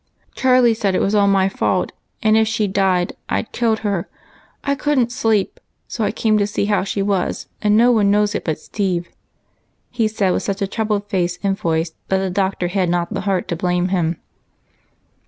" Charlie said it was all my fault, and if she died I 'd killed her. I couldn't sleep, so I came to see how she A SCARE. 251 was, and no one knows it but Steve," he said with such a troubled face and voice that the Doctor had not the heart to blame him.